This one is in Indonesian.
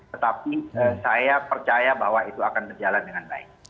tetapi saya percaya bahwa itu akan berjalan dengan baik